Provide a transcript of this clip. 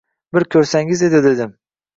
Bir ko’rsangiz edi dedim